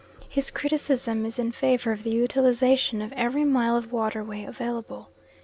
His criticism is in favour of the utilisation of every mile of waterway available.